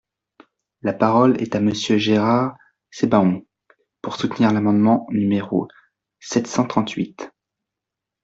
La parole est à Monsieur Gérard Sebaoun, pour soutenir l’amendement numéro sept cent trente-huit.